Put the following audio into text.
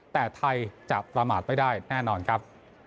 แต่ไทยจะประมาทไม่ได้แน่นอนครับ